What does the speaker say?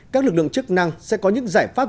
các lực lượng chức năng sẽ có những giải pháp